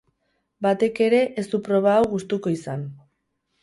Batek ere ez du proba hau gustuko izan.